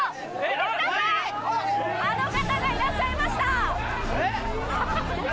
あの方がいらっしゃいました・あれ？